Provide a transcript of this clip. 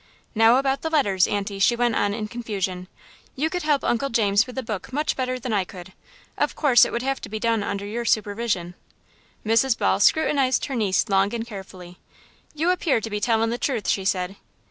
"Now about the letters, Aunty," she went on, in confusion, "you could help Uncle James with the book much better than I could. Of course it would have to be done under your supervision." Mrs. Ball scrutinized her niece long and carefully. "You appear to be tellin' the truth," she said.